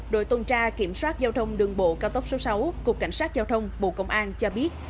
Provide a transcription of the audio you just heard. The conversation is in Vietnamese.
đội tuần tra kiểm soát giao thông đường bộ cao tốc số sáu cục cảnh sát giao thông bộ công an cho biết